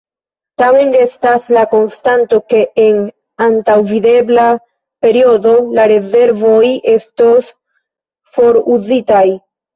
Tamen, restas la konstato ke en antaŭvidebla periodo la rezervoj estos foruzitaj.